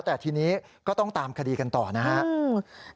แต่ทีนี้ก็ต้องตามคดีกันต่อนะครับ